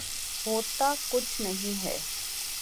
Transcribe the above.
ہوتا کچھ نہیں ہے۔